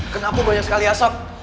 kenapa banyak sekali asap